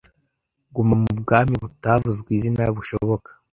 guma mu bwami butavuzwe izina bushoboka